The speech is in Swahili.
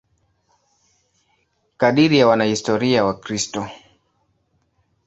Kadiri ya wanahistoria Wakristo.